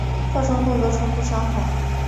造成更多冲突伤害